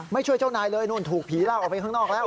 ไม่ใช่เจ้านายเลยโน้นถูกผีล่าทางออกไปข้างนอกแล้ว